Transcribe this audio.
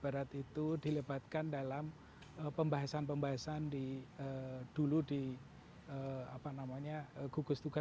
barat itu dilebatkan dalam pembahasan pembahasan di dulu di apa namanya gugus tugas